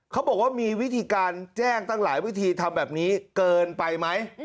เขาบอกว่ามีวิธีการแจ้งตั้งหลายวิธีทำแบบนี้เกินไปไหม